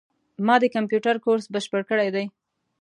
ما د کامپیوټر کورس بشپړ کړی ده